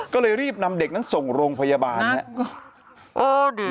ก็เลยรีบนำเด็กนั้นส่งโรงพยาบาลครับ